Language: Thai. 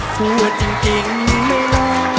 พูดจริงไม่รอ